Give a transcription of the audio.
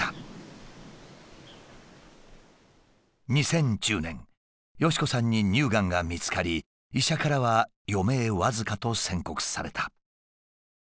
２０１０年敏子さんに乳がんが見つかり医者からは余命僅かと宣告された。